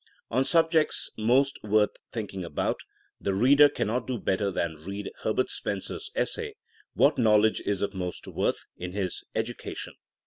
On subjects most worth thinking about, the reader cannot do better than read Herbert Spen cer 's essay What Knowledge is of Most Worth? in his Education.